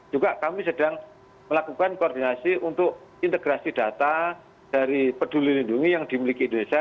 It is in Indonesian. juga kami sedang melakukan koordinasi untuk integrasi data dari peduli lindungi yang dimiliki indonesia